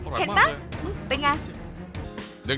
อร่อยมากเลย